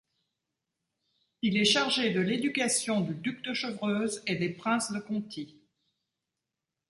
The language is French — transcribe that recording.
Il est chargé de l'éducation du duc de Chevreuse et des princes de Conti.